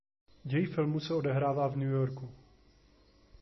Děj filmu se odehrává v New Yorku.